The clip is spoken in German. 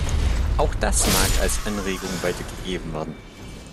Auch das mag als Anregung weitergegeben werden.